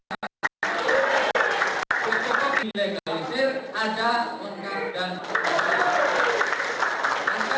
untuk popi legalisir ada ongkar dan mengumpulkan